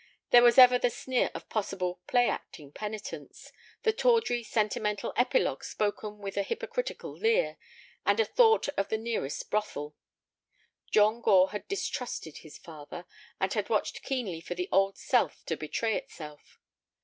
There was ever the sneer of possible "play acting" penitence, the tawdry sentimental epilogue spoken with a hypocritical leer and a thought of the nearest brothel. John Gore had distrusted his father, and had watched keenly for the old self to betray itself.